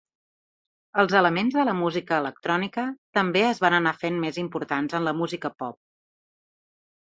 Els elements de la música electrònica també es van anar fent més importants en la música pop.